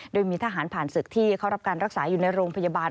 โดยมีทหารผ่านศึกที่เขารับการรักษาอยู่ในโรงพยาบาล